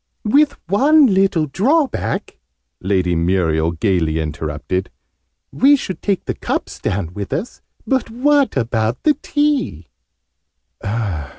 "With one little drawback!" Lady Muriel gaily interrupted. "We should take the cups down with us: but what about the tea?"